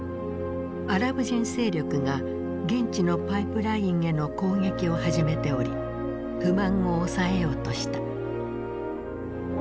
アラブ人勢力が現地のパイプラインへの攻撃を始めており不満を抑えようとした。